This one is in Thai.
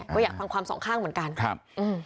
ก็อยากฟังความสองข้างเหมือนกัน